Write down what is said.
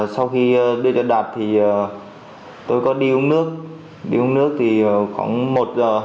sau khi đưa cho đạt thì tôi có đi uống nước đi uống nước thì khoảng một giờ